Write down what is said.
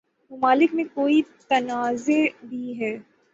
ممالک میں کوئی تنازع بھی ہے